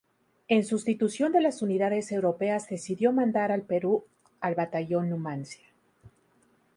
En sustitución de las unidades europeas decidió mandar al Perú al batallón Numancia.